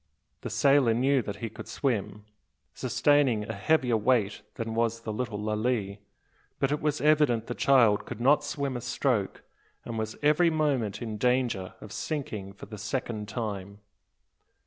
The sailor knew that he could swim, sustaining a heavier weight than was the little Lalee. But it was evident the child could not swim a stroke, and was every moment in danger of sinking for the second time.